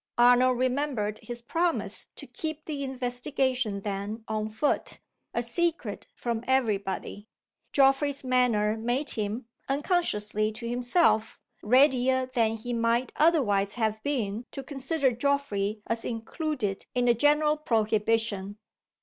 Arnold remembered his promise to keep the investigation then on foot a secret from every body. Geoffrey's manner made him unconsciously to himself readier than he might otherwise have been to consider Geoffrey as included in the general prohibition.